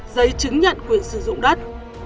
giấy chứng nhận quyền sử dụng đất